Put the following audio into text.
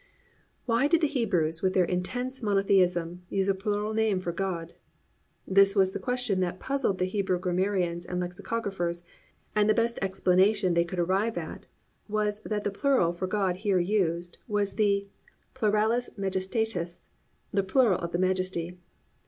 "+ Why did the Hebrews with their intense monotheism, use a plural name for God? This was the question that puzzled the Hebrew grammarians and lexicographers, and the best explanation they could arrive at was that the plural for God here used was the pluralis majestatis, the plural of majesty.